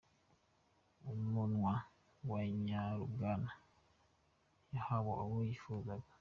Umunwa wa nyarubwana yahawe uwo yifuzaga.